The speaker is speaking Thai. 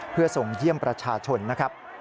เพื่อส่งเยี่ยมประชาชนนะครับ